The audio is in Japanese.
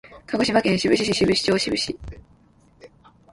鹿児島県志布志市志布志町志布志